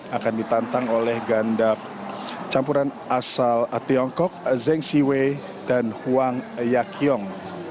dua ribu enam belas lalu akan ditantang oleh ganda campuran asal tiongkok zheng xiwei dan huang yaqiong